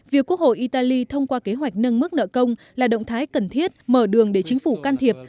việc quốc hội italy thông qua kế hoạch nâng mức nợ công là động thái cần thiết mở đường để chính phủ can thiệp